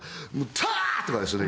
ター！とかですよね。